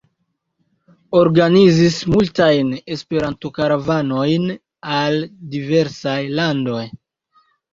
Organizis multajn Esperanto-karavanojn al diversaj landoj.